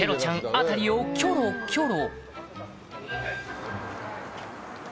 辺りをキョロキョロ